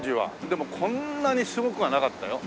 でもこんなにすごくはなかったよ。